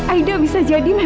aida bisa jadi memang puji atsu